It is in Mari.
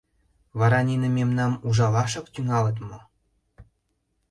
«Вара нине мемнам ужалашак тӱҥалыт мо?